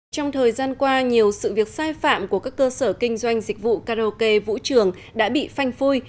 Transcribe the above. trong thời gian qua nhiều sự việc sai phạm của các cơ sở kinh doanh dịch vụ karaoke vũ trường đã bị phanh phui